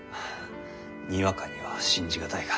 にわかには信じ難いが。